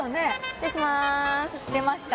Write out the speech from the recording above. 失礼します